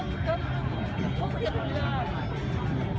แม่กับผู้วิทยาลัย